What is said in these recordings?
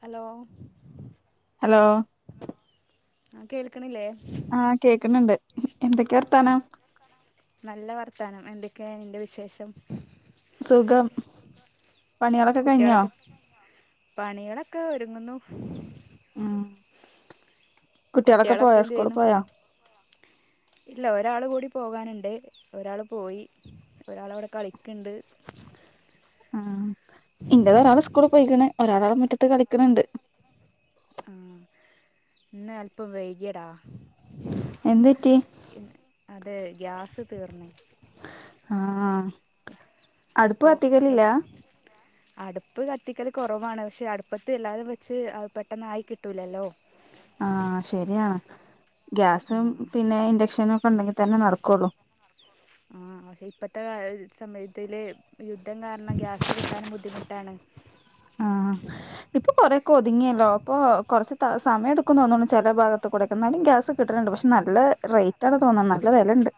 Hello hello കേൾക്കണില്ലേ ആ കേക്കണണ്ട് എന്തൊക്കെയ വാർത്താനം നല്ല വർത്താനം എന്തൊക്കെയ അന്റെ വിശേഷം സുഖം കുട്ടികളൊക്കെ പണികളൊക്കെ തുടങ്ങുന്നു ആ കുട്ടികളൊക്കെ എന്ത് ചെയ്യുന്നു ഇല്ല ഒരാള് കൂടി പോകാനുണ്ട് ഒരാൾ പോയി ഒരാളിവിടെ കളിക്കും ക്കിണ്ട് ആ ഇന്റത് ഒരാൾ സ്കൂളിൽ പോയിക്കണ് ഒരാൾ അവിടെ മുറ്റത്ത് കളിക്കണിണ്ട് ഇന്ന് അല്പം വൈകിയടാ എന്ത്‌ പറ്റി അത് ഗ്യാസ് തീർന്ന് ആ അടുപ്പ് കത്തിക്കലില്ല അടുപ്പ് കത്തിക്കൽ കുറവാണ് പക്ഷെ അടുപ്പത്ത് എല്ലാതും വെച്ച് പെട്ടെന്നായി കിട്ടൂലല്ലോ ആ ശരിയാണ് ഗ്യാസും പിന്നെ ഇന്റക്ഷനും ഉണ്ടെങ്കിൽ തന്നെ നടക്കോളോ ആ പക്ഷെ ഇപ്പത്തെ സമയത്തില് യുദ്ധം കാരണം ഗ്യാസ് കിട്ടാനും ബുദ്ധിമുട്ടാണ് ആ ഇപ്പൊ കൊറോക്കെ ഒതുങ്ങിയല്ലോ അപ്പൊ കൊറച്ച് സമയം എടുക്കും തോന്നണു ചില ഭാഗത്ത് കൂടൊക്കെ എന്നാലും ഗ്യാസ് കിട്ടുന്നുണ്ട് പക്ഷെ നല്ല റേറ്റ് ആണ് തോനുന്ന് നല്ല വെലണ്ട്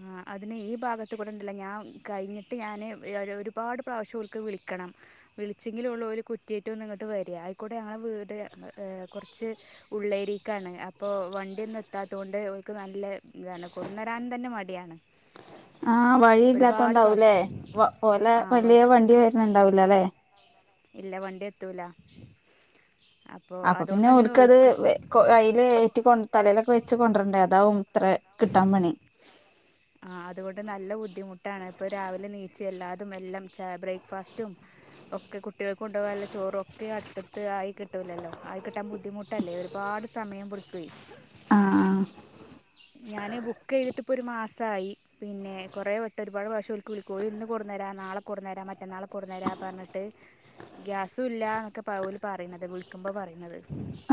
ആ അതിന് ഈ ഭാഗത്ത് കൂടെണ്ടല്ല ഞാൻ കഴിഞ്ഞിട്ട് ഞാന് ഒരുപാട് പ്രാവശ്യം ഓൽക്ക് വിളിക്കണം വിളിച്ചെങ്കിലുള്ളു ഒരു കുറ്റിയേറ്റ് ഒന്ന് ഇങ്ങട്ട് വരിക ആയിക്കൂടെ ഞങ്ങളെ വീട് കുറച്ച് ഉള്ള് ഏരിയേക്കാണ് അപ്പോൾ വണ്ടിയൊന്നും എത്താത്തത് കൊണ്ട് ഓൽക്ക് നല്ല ഇതാണ് കൊടുന്നെരാൻ തന്നെ മടി യാണ് ആ വഴി ഇല്ലാത്തോണ്ടാവൂലേ ഒലെ വലിയ വണ്ടി വരുന്നുണ്ടാവൂല്ലല്ലെ ഇല്ല വണ്ടി എത്തൂല അപ്പൊ പിന്നെ ഓൽക്കത് കയ്യിൽ ഏറ്റി തലയിലൊക്കെ വെച്ച് കൊണ്ട് വരണ്ടേ അതാവും ആ അതുകൊണ്ട് നല്ല ബുദ്ധിമുട്ടാണ്. ഇപ്പൊ രാവിലെ നീച്ചില്ലാത അതും എല്ലാം ച ബ്രേക്ക്ഫാസ്റ്റും ഒക്കെ കുട്ടികൾക്ക് കൊണ്ടുപോകൻല്ല ചോറും ഒക്കെ അടുപ്പത്ത് ആയി കിട്ടൂല്ലല്ലോ. ആയി കിട്ടാൻ ബുദ്ധിമുട്ടല്ലേ. ഒരുപാട് സമയം പിടിക്കുയി ആഹ ആഹ ഞാന് ബുക്ക് ചെയ് വട്ടിട്ടിപ്പോപ്പൾ ഒരു മാസമായി പിന്നെ കുറേ വെട്ടം ഒരുപാട് പാവശം ഒലക്കക്ക് വിളിക്കും ഇന്ന് കൊറുേരാം നാളെ കൊറുേരാം മറ്റന്നാളെ കൊറുേരാം പറഞ്ഞിട്ട് ഗ്യാസും ഇല്ല എന്നൊക്കെ പൗൽ പറയുന്നത് വിളിക്കമ്പോൾ പറയുന്നത്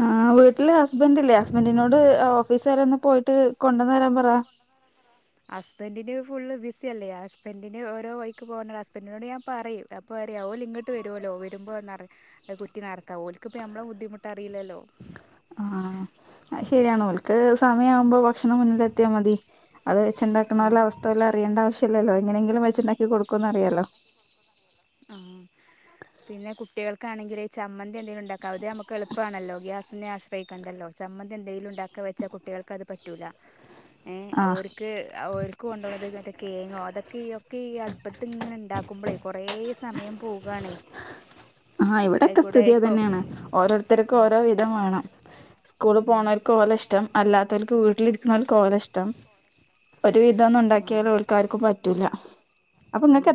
ആ് വീട്ടില്ഹസ്ബൻറ്ല്ലേ ഹസ്ബൻറിനോട് ഓഫീസ് വരെ ഒന്ന് പോയിട്ട് കൊണ്ടന്ന തരാൻ പറ ഹസ്ബന്റിന് ഫുള്ള് ബിസിയല്ലേ. ഹസ്ബന്റിന് ഓരോ വൈക്ക് പോകണ ഹസ്ബന്റിനോട് ഞാൻ പറയും അപ്പ പറയാ ഓല് ഇങ്ങട്ട് വരുല്ലോ വരുമ്പോ കുറ്റി നെറക്കാം. ഓൽക്ക്പ്പോ ഞമ്മളെ ബുദ്ധിമുട്ടറിയില്ലല്ലോ. അത് ശരിയാണ് ഓല്ക്ക് സ മയാവുമ്പോ ഭക്ഷ മുന്നിലെത്തിയാൽ മതി അത് വെച്ചണ്ടാക്കണ അവസ്ഥല്ല അറിയേണ്ട ആവശ്യമല്ലല്ലോ എങ്ങനെങ്കിലും വെച്ചണ്ടാക്കി കൊടുക്കോന്ന് അറിയാലോ. ആ പിന്നെ കുട്ടികൾ ാണെങ്കിൽ ചമ്മൻ ന്തേലും ണ്ടാക്കാം. അതെ നുക്ക് എളുപ്പണല്ലോ ഗ്യാസിനെ ആ കണ്ടല്ലോ ചമ്മന്തി എന്തെലും ഉണ്ടാക്ക വെച്ച കുട്ടികൾക്ക് അത് പറ്റൂല. ഓര്ക്ക് ഓരുക്ക് കൊണ്ടോണത് ഇങ്ങതെ കേങ്ങോ അതൊക്കെ ഈ ഒക്കെ ഈ അടു ഇപ്പത്തി ഇങ്ങനെ ഉണ്ടാക്കുമ്പളെ കുറേ സമയം പോകണേ ആഹ ഇവിടൊക്കെ സ്ഥിതി അ തന്നെയാണ് ഓരോരുത്തർക്കും ഓരോ വിധം വേണം. സ്കൂള് പോണവക്ക് പോലെ ഇഷ്ടം അല്ലാത്തവർക്ക് വീട്ടിലിരിക്കുന്ന കോല ഇഷ്ടം ഒരു വിധം ഒന്നും ഉണ്ടാക്കിയാൽ ആൾക്കാർക്കും പറ്റൂില്ല ഉം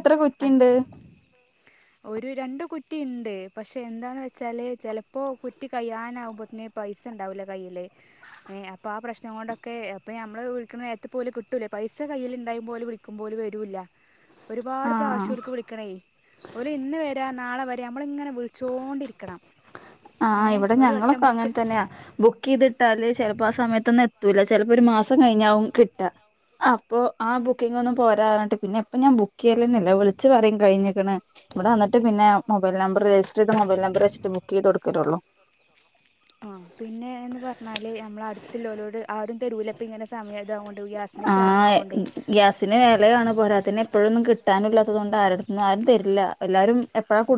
ഒരു രണ്ടു കുറ്റിണ്ട്. പക്ഷെ എന്താന്ന് വെച്ചാല് ചിലപ്പോ കുറ്റി കയ്യാനാകുമ്പോത്തന് പൈസ ഉണ്ടാവില്ല കയ്യിയില് ഏ അപ്പൊ ആ പ്രശ്നം കൊണ്ടൊക്കെ അപ്പൊ നഞമ്മള് വിളിക്കുന്ന നേരത്തെ പോലും കിട്ടൂലേ പൈസ കയ്യിൽണ്ടായ പോലും വിളിക്കുമ്പ പോലും വരൂല്ല. ഒരുപാട് പ്രാവശ്യൾക്ക് വിളിക്കണേ ഒരു ഇന്ന് വരാൻ നാളെ വരെ നമ്മളിങ്ങനെ വിളിച്ചോണ്ടിരിക്കണം. ആഹ് ഇവിടെ ഞങ്ങളൊക്കെ അങ്ങനെ തന്നെയാ ബുക്ക് ചെയ്തിട്ടാല്േ ചെിലപ്പോ ആ സമയത്തൊന്ന് ത്തൂല ചെലപ്പോ ഒരു മാസം കഴിഞ്ഞാവും കിട്ട അപ്പൊ ആ ബുക്കിംഗ ഒന്നും പോരാഞ്ഞിട്ട് പിന്നെ ഇപ്പ ഞാൻ ബുക്ക് ചെയ്യലന്നില്ല വിളിച്ചച്ച് പറയും കഴിഞ്ഞിക്കണ് ഇവിടെ വന്നിട്ട് പിന്നെ മൊബൈൽ നമ്പർ രജിസ്റ്റർ ചെയ്ത മൊബൈൽ നമ്പർ വെച്ചിട്ട് ബു ചെയ്തു കൊടുക്കലള്ളോ. ആ പിന്നെ എന്ന് പറഞ്ഞാല് നമ്മള അടുത്തുള്ളോരോട് ആരും തെരുവലപ്പ ഇങ്ങനെ സമയം ഇതാ ആ ഗ്യാസിന് വിലയാണ് പോരാത്തിെ എപ്പോഴൊന്നും കിട്ടാനും ഇല്ലാത്തത് കൊൊണ്ട് ആരുടുത്തന്നും ആരും തരില്ല എല്ലാരും ഉ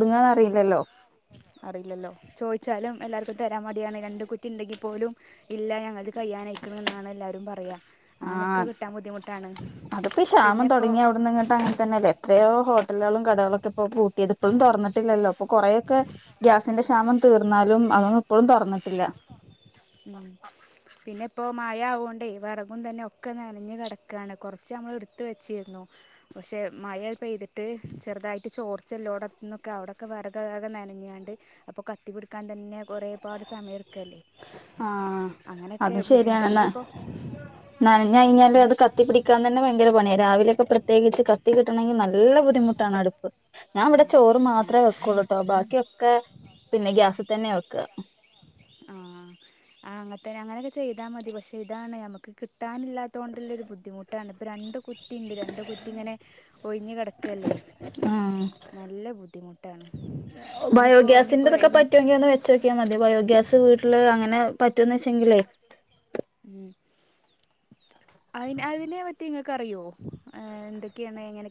അറീല്ലല്ലോ ചോയ്ച്ചാലും എല്ലാർക്കും തരാൻ മ യാണ് രണ്ട് കുറ്റി ഇണ്ടെങ്കിൽ പോലും ഇല്ല ഞങ്ങൾത് കയ്യാൻ അയക്ക്ണ എന്നാണ് എല്ലാരും പറയ ആഹ് അതിപ്പോ ഷാമം തുടങ്ങിയ അവിടന്ന് ഇങ്ങോട്ട് അങ്ങനെ തന്നെയല്ലേ എത്രയോ ഹോ എല്ലടൊം കടകളൊക്കെ പൂ ഇതിപ്പോഴും തൊറന്നിട്ടില്ലല്ലോ അപ്പൊ കൊറെക്കെ ഗ്യാസിന്റെ ക്ഷാമം തീർന്നാലും അതൊന്നും ഇപ്പോഴും തൊറന്നിട്ടില്ല പിന്നെ ഇപ്പോ മയ ആവോണ്ടേ വെറകും തന്നെ ഒക്കെ നനഞ്ഞ് കടക്കാണ് കൊർച്ചമ്മളിട്ത്ത് വെച്ചിരുന്നു പക്ഷെ മഴ പെയ്തിട്ട് ചെർതായിട്ട് ചോർച്ചെല്ലോടെത്ത്ന്നൊക്കെ അവിടൊക്കെ വെറകാകെ നനഞ്ഞാണ്ട് അപ്പൊ കത്തി പിടിക്കാൻ തന്നെ കുറേ പാട് സമയട്ക്കല്ലേ ആഹ അതും ശരിയാണ് നൻഞ്ഞയ്ഞ്ഞാല് അത് കത്തി പിടിക്കാൻ തന്നെ ഭയ്ങ്കര പണിയാണ് രാവിലൊക്കെ പ്ര പ്രത്യേകിച്ച് കത്തി കിട്ടണമെങ്കി [unintelligible] മൻ ഇള്ള ബുദ്ധിമുട്ടാണ് അടുപ്പ് ഞാൻ ഇവടെ ചോറ് മാത്ര വെക്കൊള്ളൂട്ടൊ ബാക്കിയൊക്കെ പിന്നെ ഗ്യാസ് തന്നെ വെ ക്ക ആഹ് ആ അങ്ങനത്തെന്നെ അങ്ങനെയൊക്കെ ചെയ്താ മതി പക്ഷെ ഇതാണ് നമ്മക്ക് കിട്ട് കിട്ടാൻല്ലാത്തോണ്ടിള്ളൊരു ബുദ്ധിമുട്ടാണ് ഇപ്പം രണ്ട് കുറ്റിണ്ട് രണ്ട് കുറ്റി ഇങ്ങനെ ഒഴിഞ്ഞ് കെടക്കല്ലേ നല്ല ബുദ്ധിമുട്ട് ബയോഗ്യാസിന്റതൊക്കെ പറ്റ്വോങ്കിൽ ഒന്ന് വെച്ചോക്ക്യാ മതി ബയോ ഗ്യാസ് വീട്ടില് അങ്ങനെ പറ്റു എങ്കിലേ ഉം അ അയ്നെ പറ്റി ഇങ്ങക്ക് അറിയോ ഏ എന്തൊക്കെണ് എങ്ങെനെ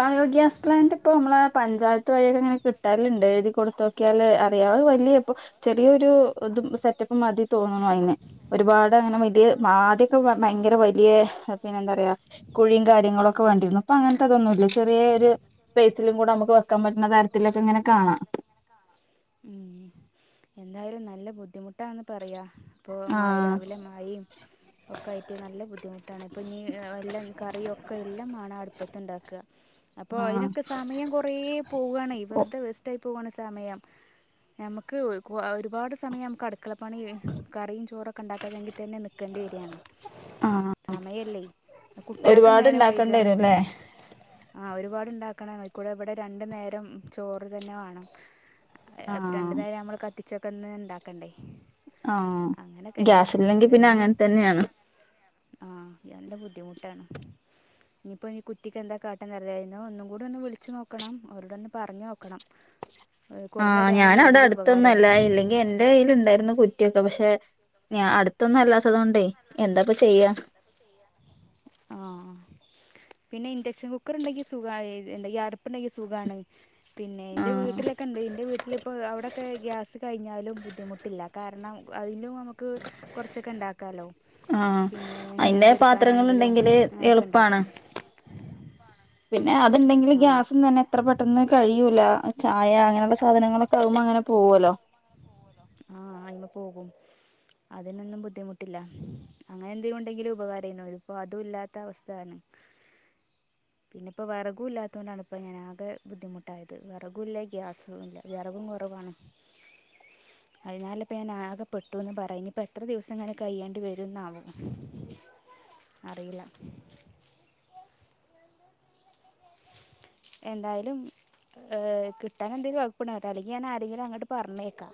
ബായോ ഗ്യാസ് പ്ലൻ്റിപ്പമ്മളാ പഞ്ചായത്ത് വയൊയൊക്കെ ഇങ്ങനെ കിട്ടലിണ്ട് എഴുതി കൊടുത്തോക്ക്യാല് അറിയാ ആ വല്ല്യെ ഇപ്പോ ചെറിയൊരു ഇത് സെറ്റപ്പ് മതി തോന്ന്ണു അയ്ന് ഒരുപാട് അങ്ങനെ വലിയ ആദ്യമൊക്കെ ഭയങ്കര വലിയ പിന്നെന്താ പറയാ കുഴിയും കാര്യങ്ങളൊക്കെ വേണ്ടിരുന്നു അപ്പ അങ്ങൻത്തതൊന്നുല്ല ചെറിയ ഒരു സ്പേസിലും കൂടെ നമുക്ക് വെ ക്കാൻ പറ്റുന്ന കാര്യത്തിലൊക്കെ ഇങ്ങനെ കാണാം ബുദ്ധിമുട്ടാന്ന് പറയ ഇപ്പോ മയ് രാവിലെ മയിം ഒക്കെ ആയിട്ട് നല്ല ബുദ്ധിമുട്ടാണ് ഇപ്പോൾ നീ എല്ലാം കറിയൊക്കെ എല്ലാം മണം അടുപ്പ പ്പത്തിണ്ടാക്ക അപ്പൊ അതിനൊക്കെ സമയം കൊറേ പോവാണെ വെറ്ദെ വേസ്റ്റ പോവാണ് സമയം നമ്മക് കൊ ഒരുപാട് സമയമ്മക്കട് ക്കള പണി കറിം ചോറൊക്കെണ്ടാകി തന്നെ നിക്കെണ്ട്യെരാണ് സമയല്ലെയ് കുട്ട്യാക്ക് നേരം വെയ്കാണ് ആ ഒരുപാ ണ്ടാക്കണംഅയ്ക്കൂടെ ഇവിടെ രണ്ട് രണ്ട്ു നേരം ചോറ് തന്നെ വേണം രണ്ടു നേരം നമ്മള് കത്തിച്ച കന്ന് ഉണ്ടാക്കണ്ടേ അങ്ങനൊക്കൊയിട്ട് ഇന്ന് ആഹ് എല്ല ബുദ്ധിമുട്ടാണ് ഇനിപ്പോ കുറ്റിക്ക് എന്താ കാട്ടാ നറീല എയ്നോ ഒന്നും കൂടി ഒന്ന് വിൾച്ച് നോ നണം അവരോടൊന്ന് പർഞ്ഞോക്കണം ആഹ് ഞാന അവിടെ അടുത്തൊന്നുംല്ല ഇല്ലെങ്കി എൻന്റെ കയ്ൽ ഉണ്ടായിുന്ന കുറ്റിയൊക്കെ പക്ഷെ ഞാൻ അടുത്തൊന്നും അല്ലാത്തതൊണ്ടേ എന്താപ്പ ചെയ്യാ ആഹ പിന്നെ ഇൻഡക്ഷൻ കുക്കർ ഉണ്ടെങ്കിൽ സുഖന്തെങ്ക അപ്പെങ്കിൽ സുഖമാണ് പിന്നെ എതിൻ്റെ വീട്ടിലൊക്കെ ഉണ്ട് എൻ്റെ വീട്ടിലിപ്പോൾ അവിടെയൊക്കെ ഗ്യാസ് കഴിഞ്ഞാലും ബുദ്ധിമുട്ടില്ല കാരണം അതിലും നമുക്ക് ക്ക് കുറച്ചൊക്കെ ഉണ്ടാക്കാല്ലോ പിന്നെ മീൻ പൊക്കാനാണെങ്കിലും എളുപ്പ അണ്ടെങ്കിൽ ഗ്യാന്നെ പെട്ട കഴൂ ചായ അങ്ങനെയുള്ള സാധനങ്ങളൊക്കെ ആകുമ്പോ അങ്ങനെ പോവല്ലോ ആഹ അ്മ പോകും അതിനൊന്നും ബുദ്ധിമുട്ടില്ല അങ്ങനെ എന്തേും ഉണ്ടെങ്കിലും ഉപകാരം ചെയ്യോ ഇതിപ്പോൊ അതും ഇല്ലാത്ത അവസ്ഥയാണ് പിന്നെ ഇപ്പോ വിറകും ഇല്ലാത്ത കൊണ്ടാണ് ഇപ്പ ഇങ്ങനെ ആകെ ബുദ്ധിമുട്ടായത് വിറകുംല്ല ഗ്യാസും ഇല്ല വിറകും കുറവാണ് അതിനാല ഇപ്പ ഞാൻ ആകെപ്പെട്ടുന്ന് പറയാ ഇനി ഇപ്പോ എത്ര ദിവസം ഇങ്ങനെ കയ്യേണ്ടി വരും എന്നാവും അറിയില്ല എന്തായാലും കിട്ടാൻ എന്തെങ്കിലും വകപ്പെട കേോ അല്ലെങ്കിൽ ഞാൻ ആരെങ്കിലും അങ്ങോട്ട് പറഞ്ഞേക്കാം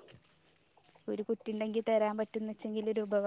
ഒരു കുട്ടി ഉണ്ടെങ്കിൽ തരാൻ പറ്റന്ന് വെച്ചെങ്കിൽ ഉപകാര